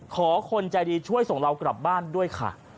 ขอคนใจดีช่วยส่งเรากลับบ้านด้วยค่ะ